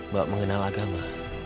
mbak mengenal agama